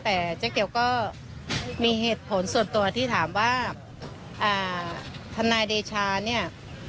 แต่เจ๊เกียวก็มีเหตุผลส่วนตัวที่ถามว่าทนายเดชาเนี่ย